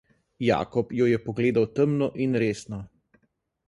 Jakob jo je pogledal temno in resno.